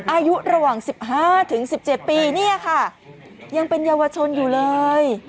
อายุระหว่างสิบห้าถึงสิบเจ็บปีเนี่ยค่ะยังเป็นเยาวชนอยู่เลย